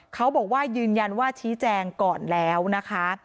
เขาบอกว่ายืนยันว่าชี้แจงก่อนแล้วนะคะ